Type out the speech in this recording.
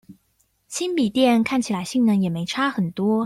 新筆電看起來性能也沒差很多